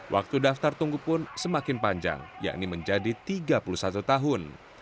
waktu daftar tunggu pun semakin panjang yakni menjadi tiga puluh satu tahun